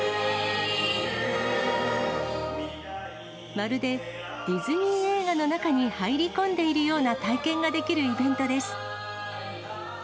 まるでディズニー映画の中に入り込んでいるような体験ができるイベントです。